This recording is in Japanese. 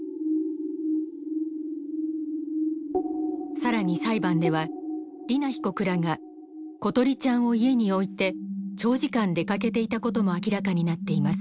更に裁判では莉菜被告らが詩梨ちゃんを家に置いて長時間出かけていたことも明らかになっています。